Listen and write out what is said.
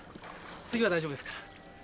次は大丈夫ですから。